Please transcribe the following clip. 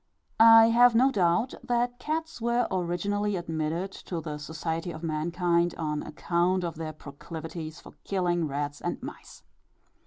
I have no doubt that cats were originally admitted to the society of mankind, on account of their proclivities for killing rats and mice.